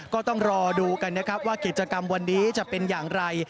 ก็ต้องรอดูกันนะครับว่ากิจกรรมวันนี้จะเป็นอย่างไร